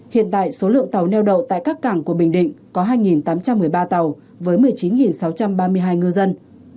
hiện tại số lượng tàu neo đậu tại các cảng của bình định có hai tám trăm một mươi ba tàu với một mươi chín sáu trăm ba mươi hai ngư dân